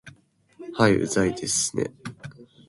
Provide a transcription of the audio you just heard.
はい、うざいですね